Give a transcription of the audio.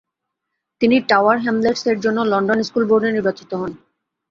তিনি Tower Hamlets এর জন্য লন্ডন স্কুল বোর্ডে নির্বাচিত হন।